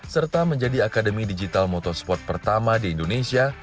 serta menjadi akademi digital motorsport pertama di indonesia